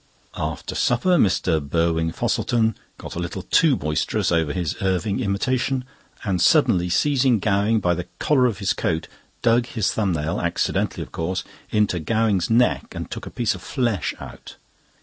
After supper, Mr. Burwin Fosselton got a little too boisterous over his Irving imitation, and suddenly seizing Gowing by the collar of his coat, dug his thumb nail, accidentally of course, into Gowing's neck and took a piece of flesh out.